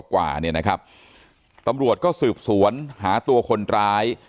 กว่าเนี่ยนะครับตำรวจก็สืบสวนหาตัวคนร้าย